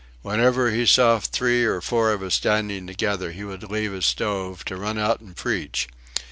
Whenever he saw three or four of us standing together he would leave his stove, to run out and preach.